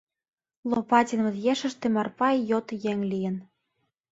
Лопатинмыт ешыште Марпа йот еҥ лийын.